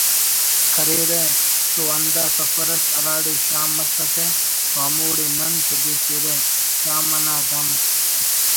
کریرہ تو ہندا سفر اٹ ہراڑے شام مسکہ تو ہموڑے نن تدیفرہ شام انا دم